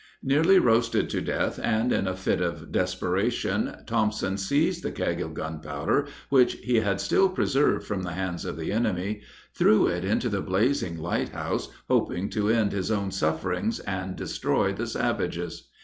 Nearly roasted to death, and in a fit of desperation, Thompson seized the keg of gunpowder, which he had still preserved from the hands of the enemy, threw it into the blazing lighthouse, hoping to end his own sufferings and destroy the savages.